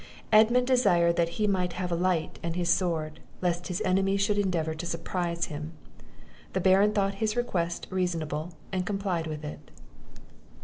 Edmund desired that he might have a light and his sword, lest his enemies should endeavour to surprise him. The Baron thought his request reasonable, and complied with it.